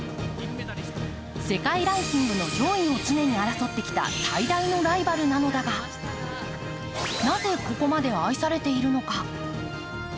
世界ランキングの上位を常に争ってきた最大のライバルなのだがなぜ、ここまで愛されているのか。